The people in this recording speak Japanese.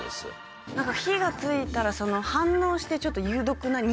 火が付いたら反応してちょっと。